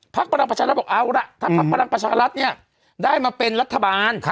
พรรคภลังประชารัฐบอกเอาล่ะ